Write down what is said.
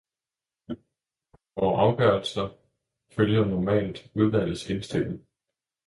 Vores afgørelser følger normalt udvalgets indstilling.